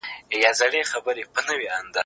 د دې نبات هېڅ برخه ضایع نه کېږي.